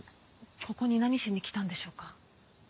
ここに何しに来たんでしょうか？